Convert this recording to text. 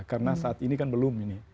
karena saat ini kan belum ini